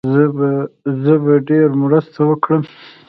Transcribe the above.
زه به ډېره مرسته وکړم.